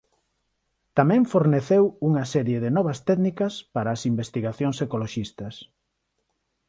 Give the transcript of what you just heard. Tamén forneceu unha serie de novas técnicas para as investigacións ecoloxistas.